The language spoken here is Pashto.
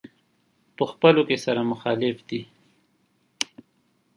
په خپلو کې سره مخالف دي.